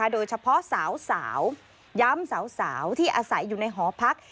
โดยเฉพาะสาวย้ำสาวที่อาศัยอยู่ในหอพัก